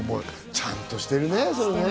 ちゃんとしてるね。